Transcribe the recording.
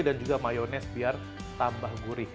dan juga mayonis biar tambah gurih